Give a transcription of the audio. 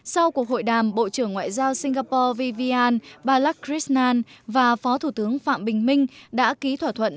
sau cuộc hội đàm bộ trưởng ngoại giao singapore vivian balakrishnan và phó thủ tướng phạm bình minh đã ký thỏa thuận